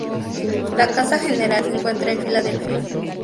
La casa general se encuentra en Filadelfia.